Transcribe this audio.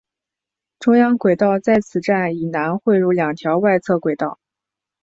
中央轨道在此站以南汇入两条外侧轨道。